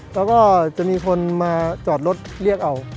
แล้วก็จะมีคนมาจอดรถเรียกเอา